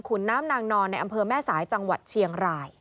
คุณน้ำนางนอนในอำเภอแม่สายจังหวัดเชียงราย